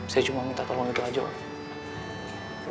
saya cuma minta tolong itu aja pak